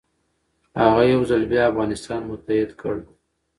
هغه یو ځل بیا افغانستان متحد کړ.